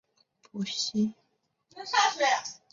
君子以自强不息